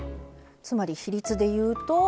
つまり比率で言うと。